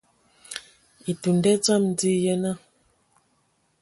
Etun nda dzam dzina, yenə.